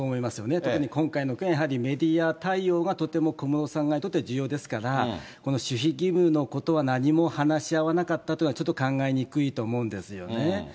特に今回の件はやはりメディア対応の件、とても小室さん側にとって重要ですから、守秘義務のことは何も話し合わなかったというのはちょっと考えにくいと思うんですよね。